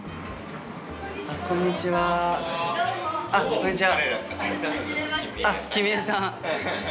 こんにちは。